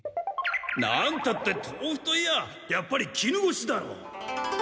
なんたって豆腐といやあやっぱり絹ごしだろう。